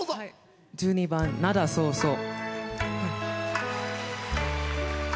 １２番「涙そうそう」。